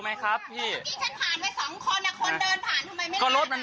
เด็กเขาเป็นลูกขาย